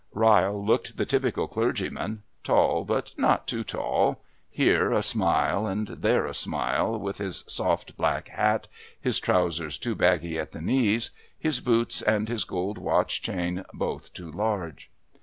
Ryle looked the typical clergyman, tall but not too tall, here a smile and there a smile, with his soft black hat, his trousers too baggy at the knees, his boots and his gold watch chain both too large.